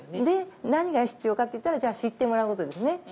で何が必要かっていったら知ってもらうことですね。